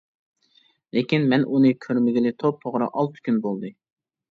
لېكىن مەن ئۇنى كۆرمىگىلى توپتوغرا ئالتە كۈن بولدى.